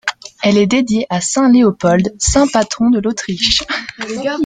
Elle est dédiée à saint Léopold, saint patron de l'Autriche.